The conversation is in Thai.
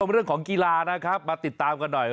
เรื่องของกีฬานะครับมาติดตามกันหน่อย